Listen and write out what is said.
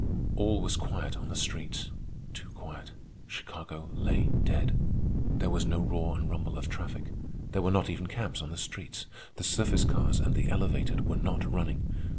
All was quiet on the streets—too quiet. Chicago lay dead. There was no roar and rumble of traffic. There were not even cabs on the streets. The surface cars and the elevated were not running.